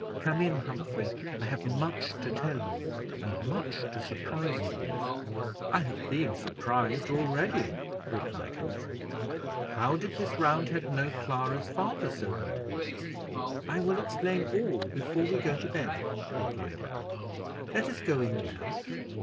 "Come in, Humphrey; I have much to tell you and much to surprise you with." "I have been surprised already," replied Humphrey. "How did this Roundhead know Clara's father so well?" "I will explain all before we go to bed," replied Edward; "let us go in now."